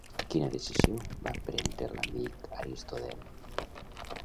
Quina decisió va prendre l'amic d'Aristodem?